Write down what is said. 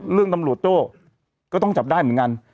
ตำรวจโจ้ก็ต้องจับได้เหมือนกัน